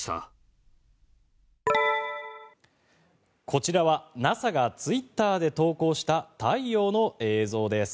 こちらはＮＡＳＡがツイッターで投稿した太陽の映像です。